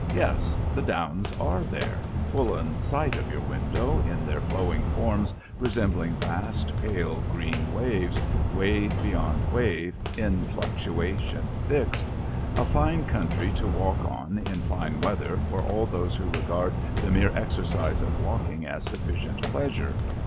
Yes, the downs are there, full in sight of your window, in their flowing forms resembling vast, pale green waves, wave beyond wave, "in fluctuation fixed"; a fine country to walk on in fine weather for all those who regard the mere exercise of walking as sufficient pleasure.